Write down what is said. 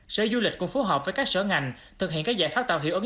sở du lịch cũng phối hợp với các sở ngành thực hiện các giải pháp tạo hiệu ứng